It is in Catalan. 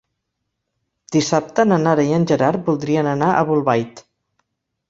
Dissabte na Nara i en Gerard voldrien anar a Bolbait.